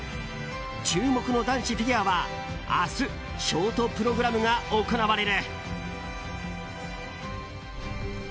注目の男子フィギュアは明日ショートプログラムが行われる。